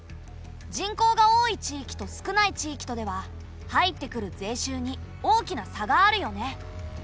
人口が多い地域と少ない地域とでは入ってくる税収に大きな差があるよね。